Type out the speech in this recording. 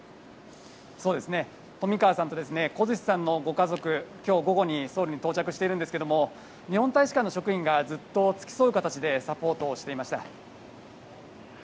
冨川さんと小槌さんのご家族が今日午後にソウルに到着しているんですけども日本大使館の職員がずっと付き添うような形でサポートしていました。